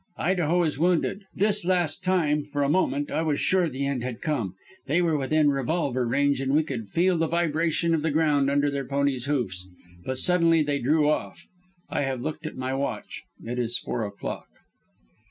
Idaho is wounded. This last time, for a moment, I was sure the end had come. They were within revolver range and we could feel the vibration of the ground under their ponies' hoofs. But suddenly they drew off. I have looked at my watch; it is four o'clock.